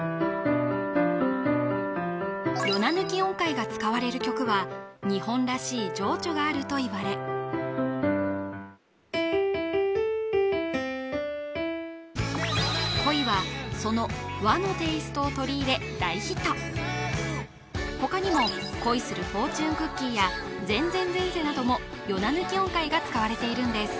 ヨナ抜き音階が使われる曲は日本らしい情緒があるといわれ「恋」はその和のテイストを取り入れ大ヒット他にも「恋するフォーチュンクッキー」や「前前前世」などもヨナ抜き音階が使われているんです